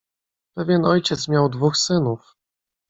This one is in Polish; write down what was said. "Pewien ojciec miał dwóch synów."